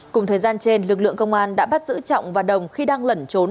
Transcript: cùng thời gian trên lực lượng công an đã bắt giữ trọng và đồng khi đang lẩn trốn